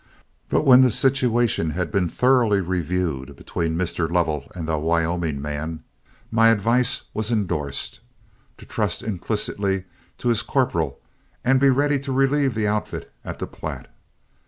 But when the situation had been thoroughly reviewed between Mr. Lovell and the Wyoming man, my advice was indorsed, to trust implicitly to his corporal, and be ready to relieve the outfit at the Platte.